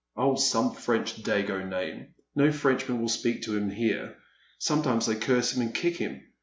Oh, some French dago name. No French man will speak to him here ; sometimes they curse him and kick him.